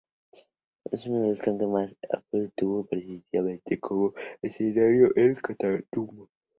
Uno de los ataque mas cruentos tuvo precisamente como escenario, el Catatumbo.